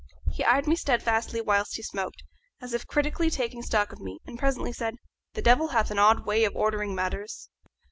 He eyed me steadfastly whilst he smoked, as if critically taking stock of me, and presently said, "The devil hath an odd way of ordering matters.